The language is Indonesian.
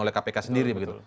oleh kpk sendiri begitu